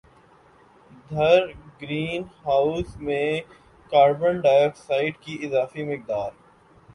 دھر greenhouse میں carbon dioxide کی اضافی مقدار